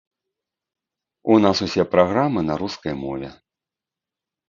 У нас усе праграмы на рускай мове.